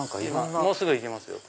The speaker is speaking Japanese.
もうすぐ行きますよ。